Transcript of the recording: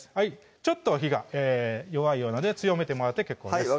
ちょっと火が弱いようなので強めてもらって結構です